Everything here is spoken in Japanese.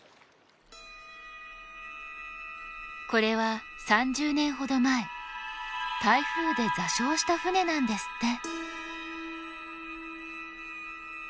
これは３０年ほど前台風で座礁した船なんですって。